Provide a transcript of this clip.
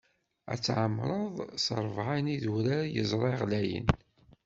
Ad tt-tɛemmreḍ s ṛebɛa n idurar n yeẓra ɣlayen.